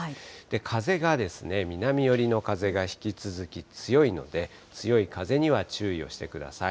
風が南寄りの風が引き続き強いので、強い風には注意をしてください。